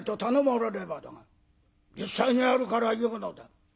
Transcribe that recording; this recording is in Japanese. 「実際にあるから言うのだ」。